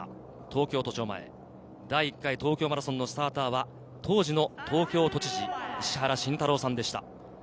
静まり返りました東京都庁前、第１回東京マラソンのスターターは当時の東京都知事・石原慎太郎さんでした。